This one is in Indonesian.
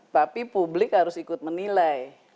tapi publik harus ikut menilai